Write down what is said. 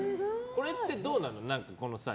これってどうなの。